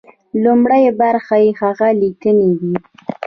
لومړۍ برخه يې هغه ليکنې دي.